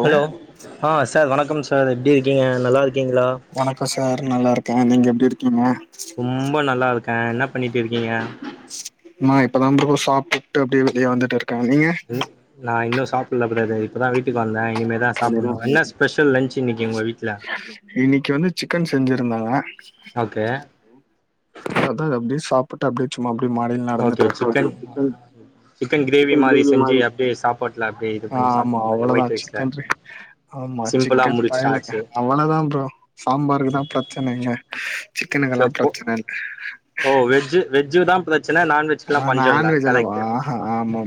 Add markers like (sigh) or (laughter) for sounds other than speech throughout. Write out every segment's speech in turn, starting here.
Hello ஆ sir வணக்கம் sir எப்டி இருக்கீங்க நல்லாருக்கீங்களா வணக்கோ சார் நல்லா இருக்கே நீங்க எப்டி இருக்கீங்க மூம்ப நல்லா இருக்கே என்ன பண்ணிட்டு இருக்கீங்க நா இப்பதா ப்ரோ சாப்ட்டுட்டு அப்டியே வெளிய வந்துட்டு இருக்கே நீங்க நா இன்னு சாப்புல்ல பிரதர் இப்பதா வீட்டுக்கு வந்தே இனிமே தா சாப்புனு என்ன ஸ்பெஷல் லன்ச் இன்னைக்கு உங்க வீட்ல இன்னைக்கு வந்து சிக்கன் ஓகே அதான் அப்டி சாப் உட்டா அப்டியே சும்மா அப்டியே மாடில நடந்துட்டு சிக்கன் சிக்கன் கிரேவி மாரி ஏ சாப்பாட்ல அப்டிய ஆ ஆமா அவ்ளதா சிக்கன் ஆமா சிம்பிளா சிக்கன் பயலுக முடிச்சாச்சு அவ்வளதா ப்ரோ சாம்பாருக்கு தா பிரச்சனை இங்க சிக்கனுக்கெல்லா ச பிரச்சனை இல்ல வெஜ் தா பிரச்சன நான்வெஜ் ஆ நான் வெஜ் எல்லா ஆ ஆமா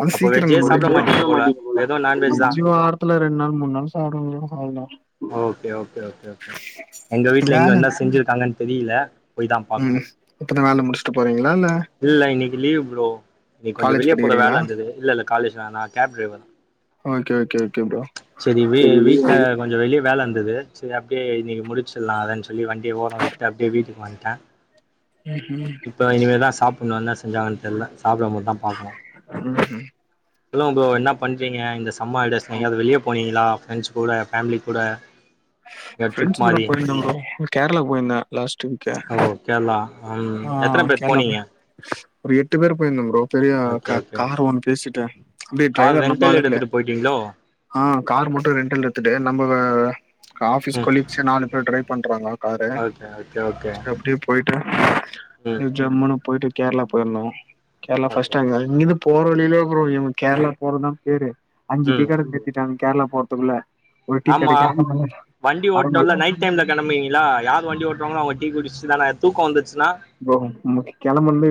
அது அப்போ சீக்கிர வெஜ்ஜே சாப்பிட மாட்டீங்க போல வெறு நான்வெஜ் தா வாரத்துல ரெண்டு நாள் மூண் நாள் சாப்டுவ ப்ரோ அவ்ளோதா ஓகே ஓகே ஓகே ஓகே எங்க வீட்ல இன்னு வேல என்ன செஞ்சிருக்காங்கனு தெரியல போய் தா ம் பாக்கணு இப்பத்த வேல முடிச்சுட்டு போறீங்களா இல் இல்ல இன்னைக்கு லீ்வு ப்ரோ இன்னைக்கு கொஞ்சோ காலேஜ் வெளிய போற படிக்கிறீங்களா? வேல இருந்தது இல்ல இல்ல காலேஜ்ல நா cab driver okay okay okay bro சரி வீ வீட்ல கொஞ்ச வெளிய வேல இருந்தது சரி அப்டியே இன்னைக்கி முடிச்சிலா அத சொல்லி வண்டிய ஓர விட்டு அப்டியே வீட்டுக்கு வந்துட்ட ச (unintelligible) இப்ப இனிமேதா சாப்புனு இன்னா செஞ்சாங்கன் தெரில சாப்பிடும் போது தா ம் சொல்லுங்க ப்ரோ என்ன பண்றீங்க இந்த சம்மர் ஹாலிடேஜஸ்ல எங்கயாவது வெளியே போனிங்ளா ஃப்ரெண்ட்ஸ் கூடஃபேமிலி கூட எங்கயாவது ட்ரிப் ஃப்ரெண்ட்ஸ் கூட மாரி போயிருந்த ப்ரோ கேரளாக் போயிருந்த லாஸட் வீக் ஓ கேரளா ம் ஆ எத்தன பேர் போனீங்க கேரளாபோய் ஒரு எட்டு பேர் போயிருந்த ஃபுரோ பெரிய ஓகே கா ஓகே கார் ஒண்ணு பேசிட்ட அப்டி கார் டிரைவர் நம்ம ரெண்டல் ஆளுங்கலே எடுத்துட்டு போயிட்டீங்களோ ஆ கார் மட்டும் ரெண்டல் எடுத்துட்டு நம்ப ஆஃபீஸ் ம் கொலிங்சே நாலு பேர் டிரைவ் பண்றாங்க காரு ஓகே ஓகே ஓகே அப்டியே போயிட்டா ம் ஜம்முனுு போயிட்டு கேரளா போயிருந்தோ கேரளா ஓகே ஃபர்ஸ்ட் டைமு இங்கந்து போற வழியில ப்ரோ அப்புரோ கேரளா போறதுதா பேரு அஞ்சு ம் டிக்கட் திருத்திட்டாங்க கேரளா போறதுக்குள்ள ஒரு டீ ஆமா கெடுக்காது வண்டி ஓட்னு ல நைட் டைம்ல கிளம்புவீங்களா யார் வண்டி ஓட்றாங்களோ அவங்க டீ குடிச்சு தா தூக்கம் வந்துச்சன்னா ப்ரோ கெளம்பந்து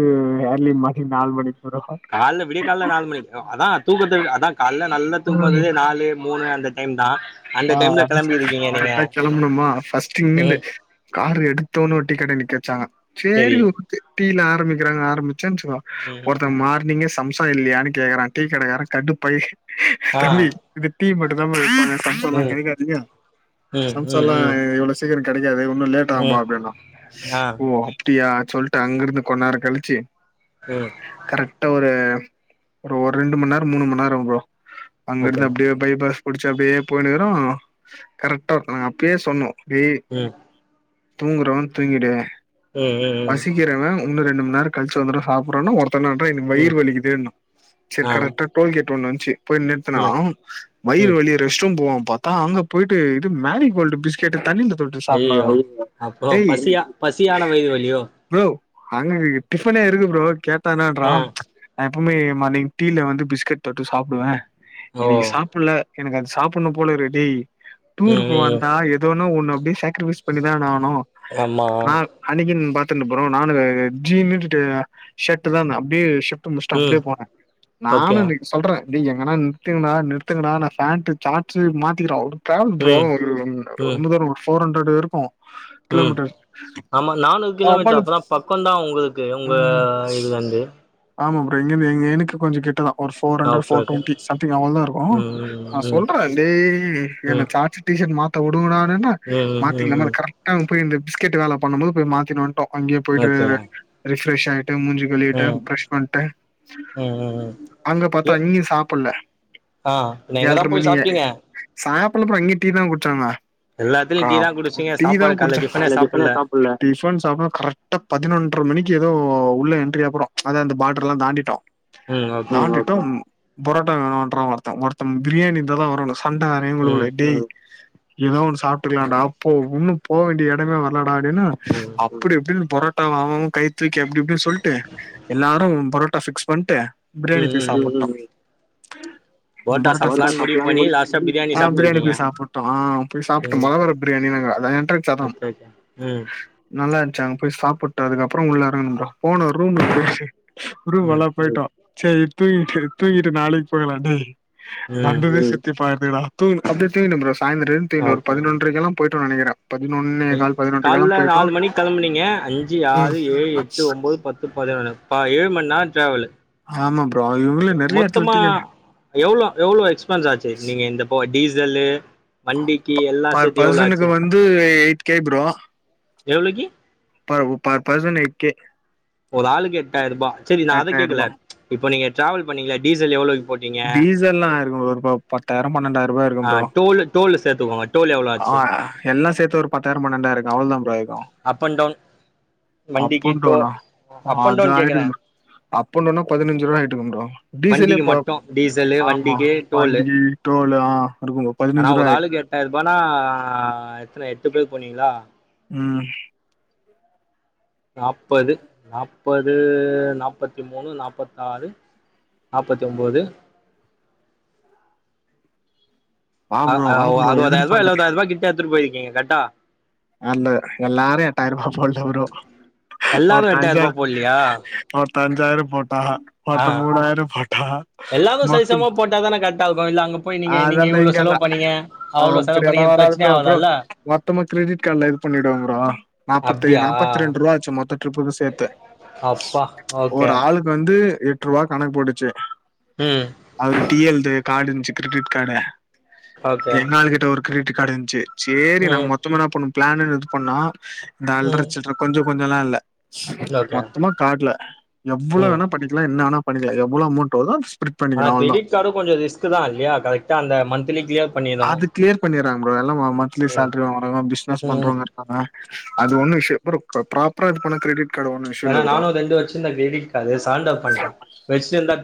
ஏர்லி மானிங் நாலு மணிக்கு ப்ரோ கால்ல விடிய கால்ல நாலு மணிக்கு அதா தூக்கத்து அதா கால்ல நல்ல தூக்கம் ம் நாலு மூணு அந்த டைம் தா அந்த ஆ டைம்ல கெளம்பி இருக்கீங்க நீங்க கரெக்டா கெளம்பணுமா ஃபஸ்ட் இங்க இருந்து ம் கார் எடுத்தோன்னு டீ கடை நிக்க வச்சாங்க சரி செரி டீ ல ஆரம்பிக்கிறாங்க ஆரம்பிச் சன்சோ ம் ஒருத்தர் மார்னிங்கே சம்சா இல்லையானு கேக்குறா டீ கடைக்காரன் கட்டுப்பாயி ஆ தம்பி இது டீ மட்டு தா இருப்ப நம்ம சொன்னா ம் கேக்காதுஙக ம் ம் சம்சாலா ம் இவ்ளோ சீக்கிர கடைக்காது ஒன்னு லேட் ஆகும்பா ம் அப்டின்னா ஆ ஓ அப் ப்டியா சொல்ட்டு அங்கிருந்து கொஞ்சோ நெரோ கழிச்சி ம் கரெக்டா ஒரு ஒரு ஒரு ரெண்டு மண் நேர மூணு மண் நேரம் ப்ரோ ஓகே அங்கிருந்து அப்டியே பை பாஸ் புடுச்சு அப்டியே போயினிருகுரோ கரெக்டா நா அப்பயே சொன்னோ ஏ ம் தூங்குறவ தூங்கிடு ம் ம் ம் பசிக்கிறவ ஒன்னு ரெண்டு மூண் நேர கழுச்சு வந்துடு சாப்புறான்னா ஒருத்தென்னான்டா எனக்கு ம் வயிறு வலிக்குதுன்னா சரி ஆ கரெக்டா டோல் கேட் ஒண் வந்ச்சு போய் நிறுத்துனா ம் வயிறு ம் வலி சும் போவாம் பாத்தா அங்க போயிட்டு இது மேரி கோல்டு் பிஸ் கெட்டு தண்ணில தொட்டு ஐயயோ சாப்னுகிறா அப்புறோ ஏய் பசியா பசியான வயிறு வலியோ ப்ரோ அங்க இ டிஃபனே இருக்கு ப்ரோ கேட்டானா ட்ரா ஆ நா எப்புமே மார்னிங் டீல வந்து பிஸ்கெட் தொட்டு சாப்டுவே ஓ இன்னக்கி சாப்புல்ல எனக்கு அது சாப் பொண்ணு போல ரெடே ம் டூருக்கு ம் வந்தா ஏதோன்னு ஒண்ணு அப்டியே சேக்ரிஃபைஸ் பண்ணிதான ஆணு ஆம்மா அன்னைக்கின் பாத்துன்னு ப்ரோ நானு ஜீன் ஷர்ட் தா அப்டியே டு முச்டு ம் அப்டியே போனே நானு ஓகே இன்னைக்கி சொல்றே டேய் எங்கன்னா நிறுத்துங்கனா நிறுத்துங்கடா நா பேண்டு சஷாட்ஸ் மாத்திக்கிறே அவ்ள காம் ப்ரோ ம் ஒரு ம் ரொம்ப தூரொ ஒரு ஃபோர் ஹண்ட்ரட் இருக்கூ ம் ஆமா நானூறு கிலோமீட்டர் அவ்ளோ அப்பதா பக்ககோ தா உங்களுக்கு உங்க ம் இது வந்து ஆமா ப்ரோ இங்கந்து எங் எனக்கு கொஞ்ச கிட்டதா ஒரு ஃபோர் ஆ hundred okay four okay twenty something அவ்ளோதா இருக்கூ ம் ம் நா ம் சொல்ற டேய் ம் என்ன சாச்சு டிஷர்ட் மாத்த வுடுங்கடானன்ன ம் ம் ம் மாத்திக்கலாம அ ம் கரெக்டா போய் இந்த பிஸ்கட்டு வேல பண்ணும் போது போய் மாத்தினு வன்டோ அங்கே போய்ட்டு ஓகே ரிஃப்ரெஷ் ஆயிட்டு மூஞ்சி ம் கலிவிட்டே ம் பிரஷ் பண்ட்டு ம் ம் அங்க எ பாத்தா அங்கயு சாப்புல ஆ பின்ன எங்கதா போய் சாப்டீங்க சாப்புல்ல ப்ரோ இங்கயு டீ தா குட்ச்சாங்கா எல்லாத்துலயு கா டீ தா குடிச்சீங்க டீ தா சாப்பாடு கால்ல குடிச்சா டிஃபனே சாப்புட்ல டிஃபன் சாப்டா கரெக்டா பதினொன்ற மணிக்கு ஏதோ உள்ள எண்டிரீ ஆ போறொ அத அந்த பார்ட்ரலா தாண்டிட்டோ ம் ஓகே தாண்டிட்டோ பொரோட்டா வேண்றா ஒருத்தே ஒருத்தே பிரியாணி இருந்தாதா வரணு சண்ட எங்களுகுள்ள ம் டேய் ஏதோ ஒண்ணு சாப்ட்டுக்லாடா அப்போ உன்னு போ வேண்டிய எடமே வரலாடா அப்டின்னா ம் ம் அப்டி இப்டின்னு பொரோட்டா அவ அவ கை தூக்கி எப்டி இப்டின்னு சொல்ட்டு எல்லாரு பொரோட்டா ஃபிக்ஸ் பண்ட்டு பிரியாணி பேய் ம் ம் சாப்புட்டோ புரோட்டா பொரோட்டா சாப்லான்னு சா முடிவு பண்ணி லாஸ்ட்டா அ சாப்ட்டு பிரியாணி இருக்கீங்க போய் சாப்புட்டோ ஆ போய் சாப்டு ம் மழ வேற பிரியாணி நாங்க அத என்ட்ரன்ஸ் அதா ஓகே ஓகே ம் நல்லா இருந்துச்சு அங்க போய் சாப்புட்டதுக்கப்றோ உள்ள எறங்குனோ ப்ரோ போன ரூம் (unintelligible) ரூம்க்கு ம் எல்லா போயிட்டோ சேரி தூங்கிட்டு தூங்கிட்டு நாளைக்கு போகலான்டேய் ம் அப்டியே தூங்கிட்டே ப்ரோ சாய்ந்தர எந்துட்டு ப்ரோ பதினொன்றரைக்கெல்லா போயிட்டோ நெனக்கிறே பதினொன் பை கால்ல நாலு மணிக் கெலம்புனீங்க அஞ்சு ம் ஆறு ஏழு எட்டு ஒம்போது பத் பத்து பதுனொன்னு ப ஏழு மன்னேரொ ட்ராவலு ஆமா ப்ரோ அதுலுள்ள நெறைய்ய எடத்துல (unintelligible) எவ்ளோ எவ்ளோ எக்ஸ்பென்ஸ் ஆச்சு நீங்க இந்தப்போ டீசல்லு வண்டிக்கி எல்லா பர் சேத்து எவ்ளோ ஆச்சு பர்சனுக்கு வந்து எய்ட் கே ப்ரோ எவ்ளோக்கி ப ஒ பர் பர்சன் எய்ட் கே ஒரு ஆளுக்கு எட்டாயிர் ரூபா சரி நா அத கேக்கல எட்டாயிரூபா இப்ப நீங்க ட்ராவல் பண்ணீங்ல டீசல் எவ்ளோத் டீசல்லா ஆயிருக்கு ப்ரோ இப்போ பத்தாயிரம் பண்ணெண்டாயிர் ரூபா ஆயிருக்கு ப்ரோ டோல்லு சேத்துக்கொங்க ஆ எல்லா சேத்து ஒரு பத்தாயிரம் பண்ணெண்டாயிருக்கு அவ்ளோதா ப்ரோ ஆயிருக்கு அப் அண்ட் டவுன் அப் வண்டிக்கி அண்ட் டோ டவுனா அப் அண்ட் டவுன் கேக்குற அப்போனுனா பதினஞ்சு ரூவா ஆய்ட்டுருக்கும்டா டீசலே வண்டிக்கு ப மட்டு டீசலு ஆமா வண்டிக்கு டோலு வண்டி ட்ரோலு ஆ இருக்குங்கோ பதினஞ்சுரூவா ஆயிர்க்கு ட்டாயிரூபானா எத்தன எட்டு பேர் போனீங்களா ம் நாப்பது நாப்பது நாப்பத்தி மூணு நாப்பத்தாறு நாப்பத்தொம்போது வா ஆ ப்ரோ அ வா ஒ ப்ரோ அறுவதாயாரூவா எதிர்பார்க்கறேன் எழவதாயாரூவா கிட்ட எத்துட்டு போயிருக்கீங்க கர்ட்டா அல்ல எல்லாரு எட்டாயிரூபா போடல புரோ எல்லாரு ஒருத்த எட்டாயிர அஞ்சா ரூபா போட்லயா ஒருத்த அஞ்சாயிரோ போட்டா ஆ ஒருத்த மூனாயிரோ போட்டா எல்லாரு மொத்தும் சரிசமமா போட்டாதான கரெக்டா இருக்கு இல்ல அங்க போய் நீங்க நீங்க அதெல்லா இவ்ளோ இங்கல்ல செலவு பண்ணீங்க ஆ அவ்ளோ செலவு அப்புடியெல்லா பண்ணீங்க வராது பிரச்சன ப்ரோ ப்ரோ ஆவுதல்ல மொத்தமா கிரடிட் காட்ல க்ரடிட் பண்ணிடுவே புரோ நாப்பத்தை அப்டியா நாப்பத்ரெண்ரூவாச்சு மொத்த ட்ரிப்புக்கு சேத்து அப்பா ஓக் ஒரு ஆளுக்கு வந்து எட் ருவா கணக் போட்டுச்சு ம் அது டி எல் டு கார்டு இந்துச்சு கிரெடிட் கார்டு ஓகே எங்காளு கிட்ட ஒரு கிரெடிட் கார்டு இந்ச்சு சேரி நாங்க ம் மொத்தமா என்னா பண்ணோ பிளான்னுன் இது பண்ணா இந்த ம் அல்ரசில்ர கொஞ்சோ கொஞ்சல்லா இல்ல ஓகே மொத்தமா கார்டுல எவ்ளோ ம் வேணா பண்ணிக்கலா என்ன வேணா பண்ணிக்கலா எவ்ளோ அமௌண்ட் வருதோ ஸ்ப்ளிட் ஆனா பண்ணிக்கணும் அவ்ளோதான் க்ரெடிட் காடு கொஞ்சொ ரிஸ்க்தா இல்லியா கரக்டா அந்த மந்திலி க்ளியர் பண்ணிரு அது கிளியர் பண்ணிறாங் ப்ரோ எல்லா ம மந்த்லி ம் சேல்ரி வாங்கறவ பிசினஸ் ம் பண்றவ்ங்க அது ஒன்னு விஷ்யோ ப்ரொ கொ ப்ராப்ரா இது பண்ண கிரெடிட் கார்டு ஒன்னும் இஷ்யூ ஏனா இல்ல ப்ரோ நானு ரெண்டு வச்சுருந்த க்ரெடிட் கார்டு சாண்டப் பண்ட்டே வச்ட்டேருந்தா தே